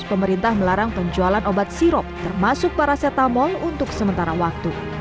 pemerintah melarang penjualan obat sirop termasuk paracetamol untuk sementara waktu